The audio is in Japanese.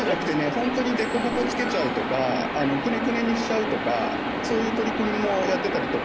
本当にでこぼこ付けちゃうとかクネクネにしちゃうとかそういう取り組みもやってたりとか。